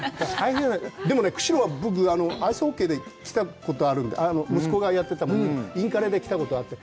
でもね、釧路は、僕、アイスホッケーで来たことがあるんで、息子がやってたもんで、インカレで来たことあって。